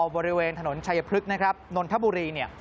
บริเวณถนนชายพลึกนะครับนนทบุรี